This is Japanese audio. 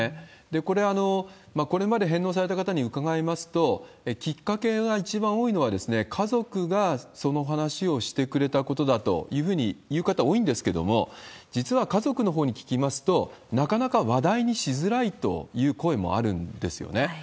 これ、これまで返納された方に伺いますと、きっかけが一番多いのは、家族がその話をしてくれたことだというふうに言う方多いんですけども、実は家族のほうに聞きますと、なかなか話題にしづらいという声もあるんですよね。